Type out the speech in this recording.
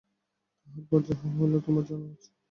তাহার পর যাহা হইল তোমার জানা আছে।